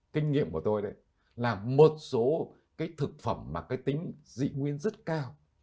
kinh nghiệm của tôi đấy là một số cái thực phẩm mà cái tính dị nguyên rất cao